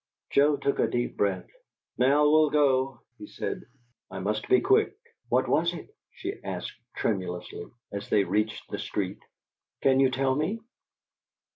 Joe took a deep breath. "Now we'll go," he said. "I must be quick." "What was it?" she asked, tremulously, as they reached the street. "Can you tell me?"